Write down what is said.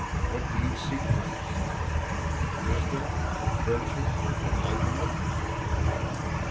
What do you seek from us? Wisdom, virtue, enlightenment?"